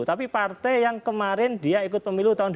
tapi partai yang kemarin dia ikut pemilu tahun dua ribu sembilan